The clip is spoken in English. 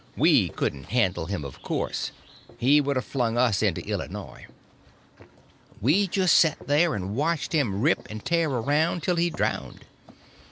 We couldn't handle him, of course; he would a flung us into Illinois. We just set there and watched him rip and tear around till he drownded.